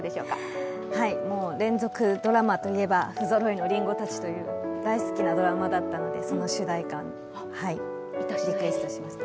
連続ドラマといえば「ふぞろいの林檎たち」という大好きなドラマだったのでその主題歌リクエストしました。